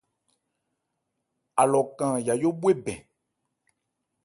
Alɔ kan yayó bhwe bɛn.